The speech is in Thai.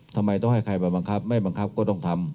ทำไมต้องให้ใครมาบังคับไม่บังคับก็ต้องทำ